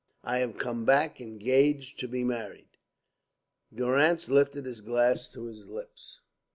"I have come back engaged to be married." Durrance lifted his glass to his lips.